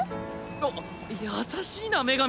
あっ優しいな女神！